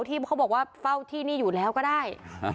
ที่เขาบอกว่าเฝ้าที่นี่อยู่แล้วก็ได้